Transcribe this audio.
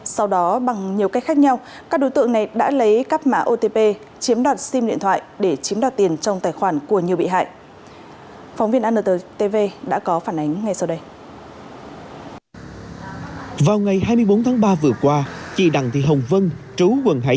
sau đó bằng nhiều cách khác nhau các đối tượng này đã lấy cắp mã otp chiếm đoạt sim điện thoại để chiếm đoạt tiền trong tài khoản của nhiều bị hại